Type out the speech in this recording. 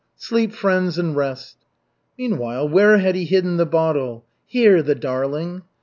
Sleep, friends, and rest." Meanwhile where had he hidden the bottle? Here, the darling!